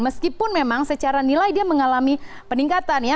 meskipun memang secara nilai dia mengalami peningkatan ya